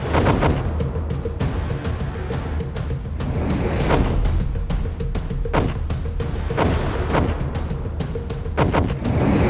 saat kau disini dinyalakan